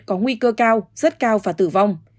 có nguy cơ cao rất cao và tử vong